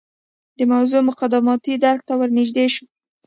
د موضوع مقدماتي درک ته ورنژدې شو.